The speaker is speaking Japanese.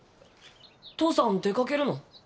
父さんは出かけるの？